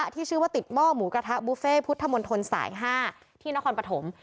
ที่ชื่อว่าติดหม้อหมูกระทะบุฟเฟ่พุทธมนตรสาย๕ที่นครปฐม